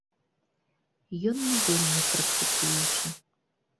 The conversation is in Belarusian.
Ён не вельмі практыкуючы.